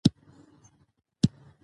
خلک بايد په خپلو ليکنو کې غور وکړي.